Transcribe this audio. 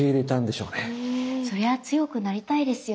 そりゃあ強くなりたいですよね。